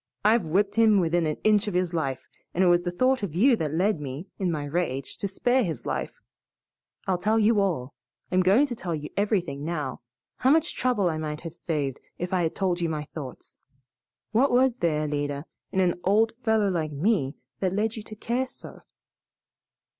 I've whipped him within an inch of his life, and it was the thought of you that led me, in my rage, to spare his life. I'll tell you all I'm going to tell you everything now. How much trouble I might have saved if I had told you my thoughts! What was there, Alida, in an old fellow like me that led you to care so?"